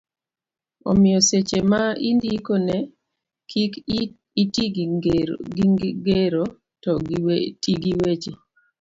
omiyo seche ma indiko ne kik iti gi gero, ti gi weche